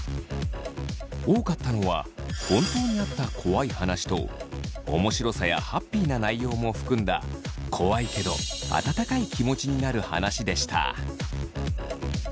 多かったのは本当にあった怖い話と面白さやハッピーな内容も含んだ怖いけど温かい気持ちになる話でした。